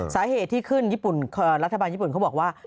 สาเหตุที่ขึ้นญี่ปุ่นรัฐบาลญี่ปุ่นเขาบอกว่า